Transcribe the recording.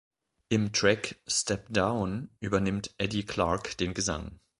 Im Track „Step Down“ übernimmt Eddie Clarke den Gesang.